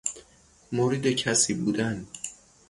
مرید کسی بودن